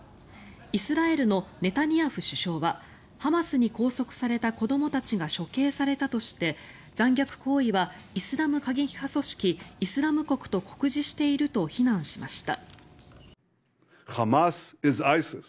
イスラエルネタニヤフ首相はハマスに拘束された子どもたちが処刑されたとして残虐行為はイスラム過激派組織イスラム国と酷似していると非難しました。